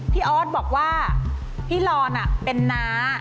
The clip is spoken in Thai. ออสบอกว่าพี่รอนเป็นน้า